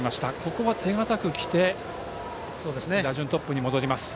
ここは手堅くきて打順トップに戻ります。